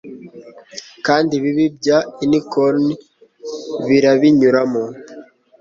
kandi ibibi bya unicorn birabinyuramo